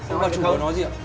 ông bà chủ có nói gì ạ